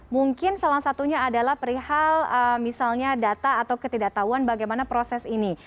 mungkin salah satunya adalah perihal misalnya data atau ketidaktahuan bagaimana proses ini